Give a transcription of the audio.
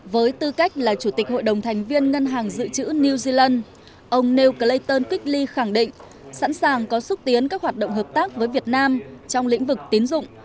với tư cách là chủ tịch hội đồng thành viên ngân hàng dự trữ new zealand ông nêu cleton kickly khẳng định sẵn sàng có xúc tiến các hoạt động hợp tác với việt nam trong lĩnh vực tín dụng